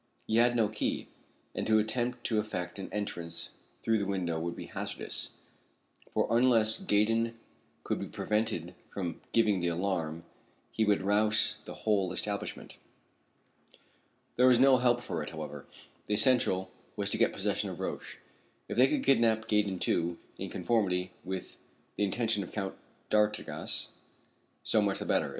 He had no key, and to attempt to effect an entrance through the window would be hazardous, for, unless Gaydon could be prevented from giving the alarm, he would rouse the whole establishment. There was no help for it, however. The essential was to get possession of Roch. If they could kidnap Gaydon, too, in conformity with the intentions of the Count d'Artigas, so much the better.